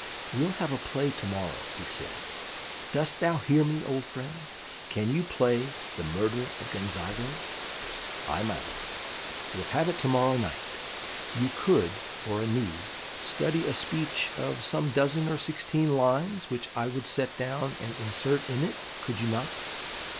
"We'll have a play to morrow," he said. "Dost thou hear me, old friend: can you play the Murder of Gonzago?" "Ay, my lord." "We'll have it to morrow night. You could, for a need, study a speech of some dozen or sixteen lines, which I would set down and insert in it, could you not?"